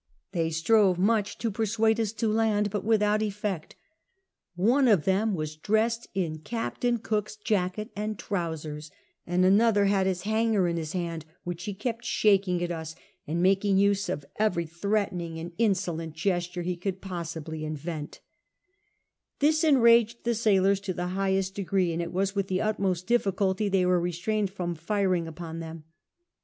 They strove much to persuade us to land, but without effect One of them was dressed in Caj^tain Cook's jacket and trousers, and another had his hanger in his hand, which he kept shaking at us, and making use of every threatening and insolent gesture he could possibly invent This enraged the siiilors to tlie highest degree, and it was with the utmost diiliculty tliey Avere restrained from firing upon them.